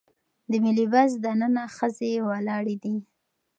د ملي بس دننه ښځې ولاړې دي.